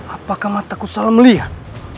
apakah mataku salah melihat